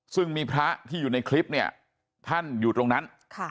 ซึ่งมีพระที่อยู่ในคลิปเนี่ยท่านอยู่ตรงนั้น